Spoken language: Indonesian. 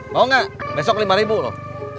mau gak besok rp lima loh